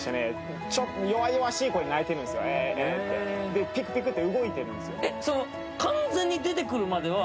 エーエーってでピクピクって動いてるんですよ